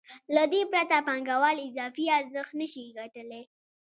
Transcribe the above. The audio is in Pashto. له دې پرته پانګوال اضافي ارزښت نشي ګټلی